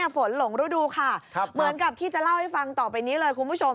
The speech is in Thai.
หลงฤดูค่ะเหมือนกับที่จะเล่าให้ฟังต่อไปนี้เลยคุณผู้ชม